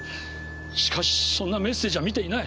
しかしそんなメッセージは見ていない。